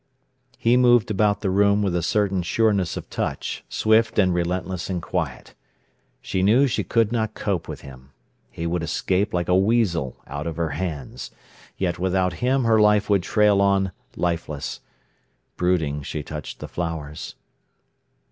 He moved about the room with a certain sureness of touch, swift and relentless and quiet. She knew she could not cope with him. He would escape like a weasel out of her hands. Yet without him her life would trail on lifeless. Brooding, she touched the flowers.